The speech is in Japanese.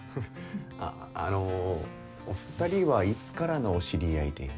あのうお二人はいつからのお知り合いで？